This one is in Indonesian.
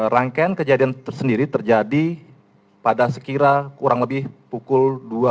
rangkaian kejadian tersendiri terjadi pada sekira kurang lebih pukul dua puluh dua tiga puluh